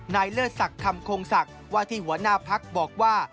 เลิศศักดิ์คำคงศักดิ์ว่าที่หัวหน้าพักบอกว่า